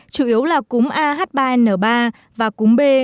chủ yếu là cúm a h ba n ba và cúm b